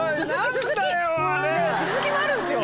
ススキもあるんですよ。